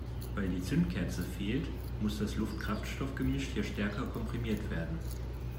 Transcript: Weil die Zündkerze fehlt, muss das Luft-Kraftstoff-Gemisch ja stärker komprimiert werden.